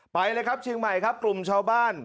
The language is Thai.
ไปเลยครับเชียงใหม่ครับกลุ่มชาวบ้าน